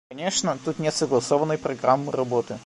Конечно, тут нет согласованной программы работы.